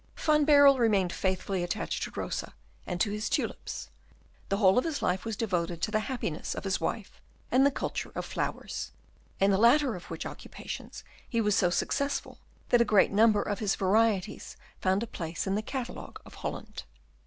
Van Baerle remained faithfully attached to Rosa and to his tulips. The whole of his life was devoted to the happiness of his wife and the culture of flowers, in the latter of which occupations he was so successful that a great number of his varieties found a place in the catalogue of Holland.